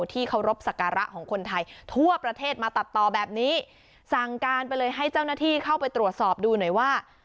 ที่เคารพสักการะของคนไทยทั่วประเทศมาตัดต่อแบบนี้สั่งการไปเลยให้เจ้าหน้าที่เข้าไปตรวจสอบดูหน่อยว่า